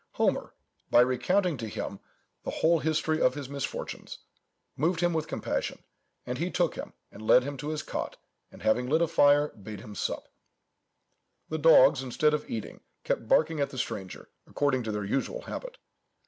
Homer, by recounting to him the whole history of his misfortunes, moved him with compassion; and he took him, and led him to his cot, and having lit a fire, bade him sup. "The dogs, instead of eating, kept barking at the stranger, according to their usual habit.